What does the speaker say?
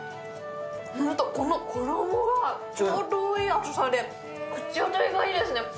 本当、この衣がちょうどいい厚さで口当たりがいいですね。